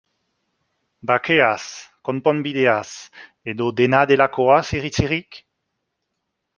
Bakeaz, konponbideaz, edo dena delakoaz iritzirik?